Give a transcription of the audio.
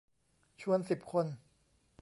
ชวนสิบคน